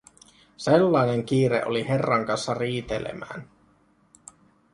Sellainen kiire oli herran kanssa riitelemään.